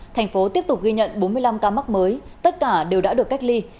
thành phố tiếp tục ghi nhận bốn mươi năm ca mắc mới tất cả đều đã được cách ly